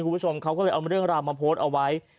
คุณผู้ชมเขาก็เลยเอาเรื่องราวมาโพสต์เอาไว้